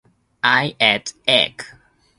I ate egg.